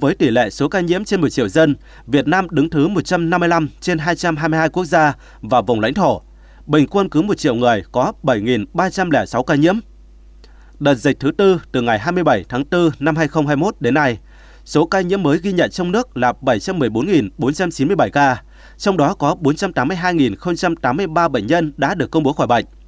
đợt dịch thứ tư từ ngày hai mươi bảy tháng bốn năm hai nghìn hai mươi một đến nay số ca nhiễm mới ghi nhận trong nước là bảy trăm một mươi bốn bốn trăm chín mươi bảy ca trong đó có bốn trăm tám mươi hai tám mươi ba bệnh nhân đã được công bố khỏi bệnh